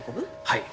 はい。